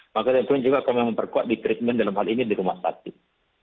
maka tentunya juga kami memperkuat di treatment dalam hal ini di rumah sakit